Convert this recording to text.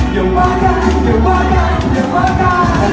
อย่าว่ากันอย่าว่ากันอย่าว่ากัน